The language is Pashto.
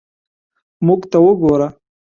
موږ ته وګوره.